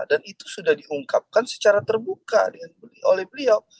dan itu sudah diungkapkan secara terbuka oleh beliau